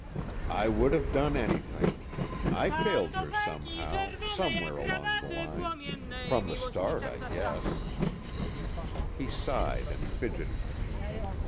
"I would have done anything. I failed her somehow, somewhere along the line. From the start, I guess." He sighed and fidgeted.